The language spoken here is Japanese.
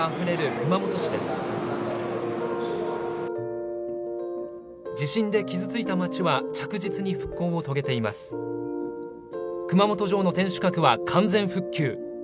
熊本城の天守閣は完全復旧。